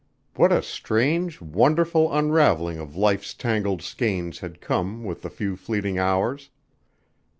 What a strange, wonderful unraveling of life's tangled skeins had come with the few fleeting hours.